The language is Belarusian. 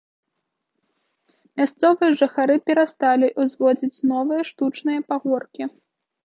Мясцовыя жыхары перасталі ўзводзіць новыя штучныя пагоркі.